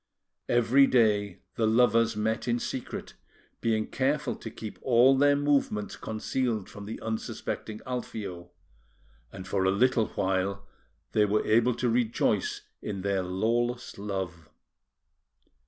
Every day the lovers met in secret, being careful to keep all their movements concealed from the unsuspecting Alfio; and for a little while they were able to rejoice in their lawless love.